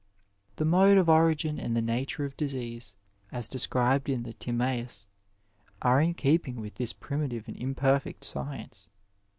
^ The mode of origin and the nature of disease, as de scribed in the TimasuBy are in keeping with this primitive and imperfect science.